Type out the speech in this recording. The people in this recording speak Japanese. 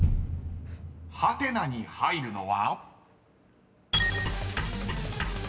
［ハテナに入るのは？］